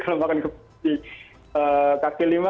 kalau makan kepiting kakil lima